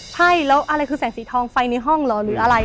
ใช่แล้วอะไรคือแสงสีทองไฟในห้องเหรอหรืออะไร